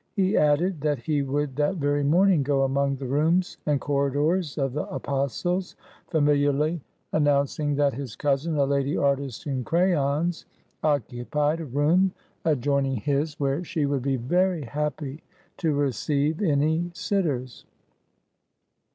He added that he would that very morning go among the rooms and corridors of the Apostles, familiarly announcing that his cousin, a lady artist in crayons, occupied a room adjoining his, where she would be very happy to receive any sitters.